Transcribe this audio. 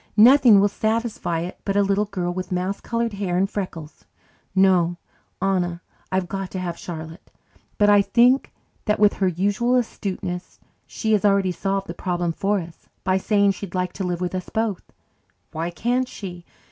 "Nothing will satisfy it but a little girl with mouse coloured hair and freckles. No, Anna, I've got to have Charlotte. But I think that with her usual astuteness, she has already solved the problem for us by saying she'd like to live with us both. Why can't she?